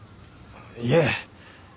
いえ。